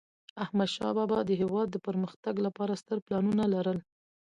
احمدشاه بابا د هیواد د پرمختګ لپاره ستر پلانونه لرل.